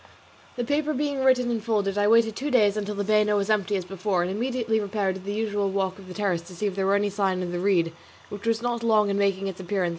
The paper being written and folded I waited two days until the bano was empty as before, and immediately repaired to the usual walk on the terrace to see if there were any sign of the reed, which was not long in making its appearance.